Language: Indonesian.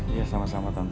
iya sama sama tante